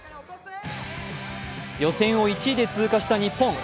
予選を１位で通過した日本。